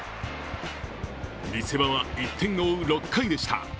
見せ場は１点を追う６回でした。